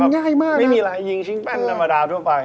ง่ายมากไม่มีลายยิงชิงแป้นธรรมดาทั่วไป